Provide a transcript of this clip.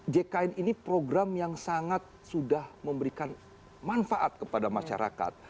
jkn ini program yang sangat sudah memberikan manfaat kepada masyarakat